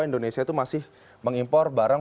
indonesia itu masih mengimpor barang